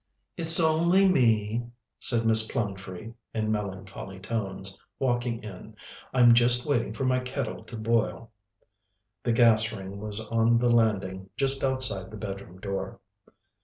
"It's only me," said Miss Plumtree in melancholy tones, walking in. "I'm just waiting for my kettle to boil." The gas ring was on the landing just outside the bedroom door.